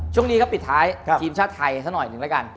ช่วงนี้ก็ปิดท้ายทีมชาติไทยสักหน่อยหนึ่งแล้วกัน